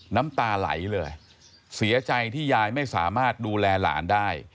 น้ำตาไหลเลยเสียใจที่ยายไม่สามารถดูแลหลานได้